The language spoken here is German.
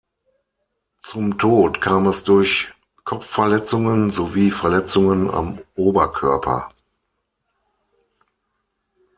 Zum Tod kam es durch Kopfverletzungen sowie Verletzungen am Oberkörper.